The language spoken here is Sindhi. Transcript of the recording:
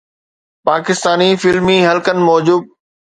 پاڪستاني فلمي حلقن موجب